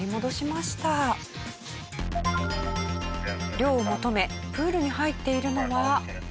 涼を求めプールに入っているのは。